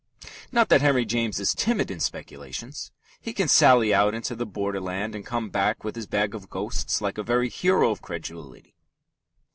Not that Henry James is timid in speculations. He can sally out into the borderland and come back with his bag of ghosts like a very hero of credulity.